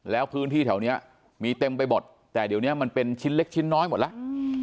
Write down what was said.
แล้วพื้นที่แถวนี้มีเต็มไปหมดแต่เดี๋ยวนี้มันเป็นชิ้นเล็กชิ้นน้อยหมดแล้ว